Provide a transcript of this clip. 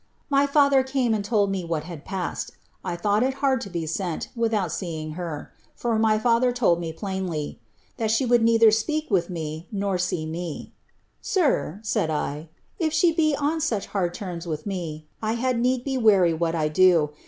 fy fiither came and told me what had passed. I thought it hard to be ent, without seeing her ; for my father told me plainly, *• that she would leither speak with me nor see me.' ^ Sir,' said I, ^ if she be on such lard terms with me, I had need be wary what I do.